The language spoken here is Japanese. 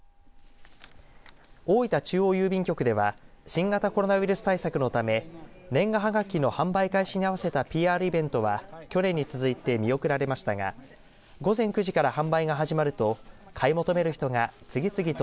大分中央郵便局では新型コロナウイルス対策のため年賀はがきの販売開始に合わせたＰＲイベントは去年に続いて見送られましたが午前９時から販売が始まると